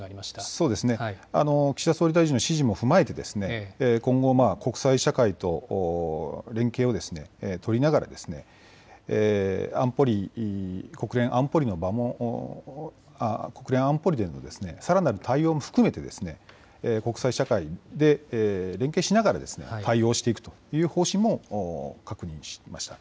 そうですね、岸田総理大臣の指示も踏まえて、今後、国際社会と連携を取りながら、国連安保理でのさらなる対応も含めて、国際社会で連携しながら対応していくという方針も確認しました。